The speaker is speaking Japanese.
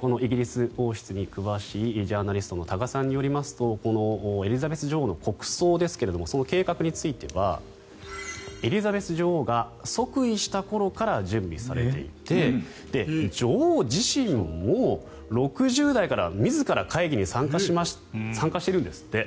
このイギリス王室に詳しいジャーナリストの多賀さんによりますとエリザベス女王の国葬ですがその計画についてはエリザベス女王が即位した頃から準備されていて女王自身も６０代から自ら会議に参加しているんですって。